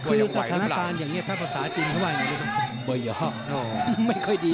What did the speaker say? คือสถานการณ์แบบนี้ประสาทจีนเขาว่าบ่ายย่อไม่ค่อยดี